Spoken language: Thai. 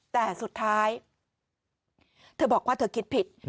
แต่สุดท้ายเธอบอกว่าเธอคิดผิด